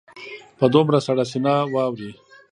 په دومره سړه سینه واوري.